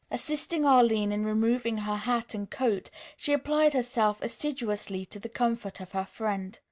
Assisting Arline in removing her hat and coat, she applied herself assiduously to the comfort of her friend.